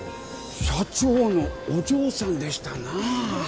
社長のお嬢さんでしたな。ははっ。